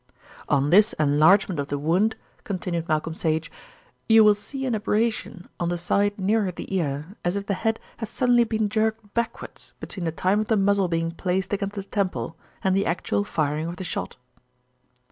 "On this enlargement of the wound," continued Malcolm Sage, "you will see an abrasion on the side nearer the ear, as if the head had suddenly been jerked backwards between the time of the muzzle being placed against the temple and the actual firing of the shot."